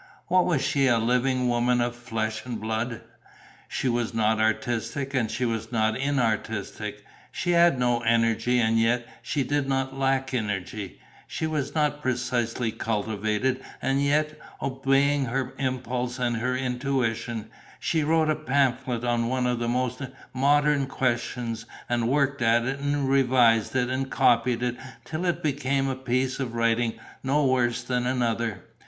What was she as a living woman of flesh and blood? She was not artistic and she was not inartistic; she had no energy and yet she did not lack energy; she was not precisely cultivated; and yet, obeying her impulse and her intuition, she wrote a pamphlet on one of the most modern questions and worked at it and revised and copied it, till it became a piece of writing no worse than another.